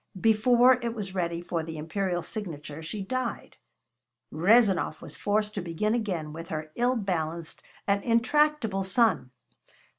Before it was ready for the imperial signature she died. Rezanov was forced to begin again with her ill balanced and intractable son.